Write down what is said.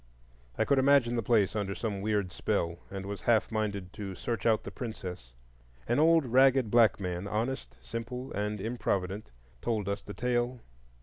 I could imagine the place under some weird spell, and was half minded to search out the princess. An old ragged black man, honest, simple, and improvident, told us the tale.